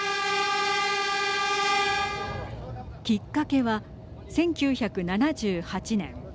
きっかけは１９７８年。